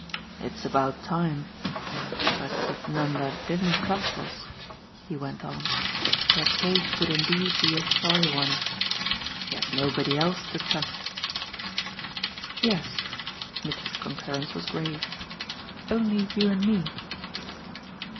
"It's about time! But if Nanda didn't trust us," he went on, "her case would indeed be a sorry one. She has nobody else to trust." "Yes." Mitchy's concurrence was grave. "Only you and me."